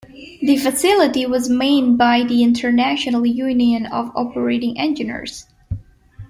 The facility was manned by the International Union of Operating Engineers.